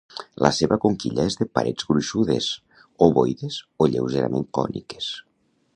La seva conquilla és de parets gruixudes, ovoides o lleugerament còniques.